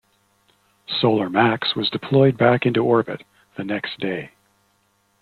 Solar Max was deployed back into orbit the next day.